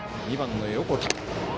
２番の横田。